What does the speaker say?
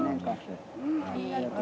ありがとう。